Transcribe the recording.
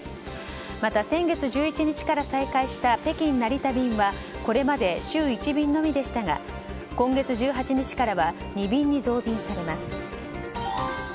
また先月１１日から再開した北京成田便はこれまで週１便のみでしたが今月１８日からは２便に増便されます。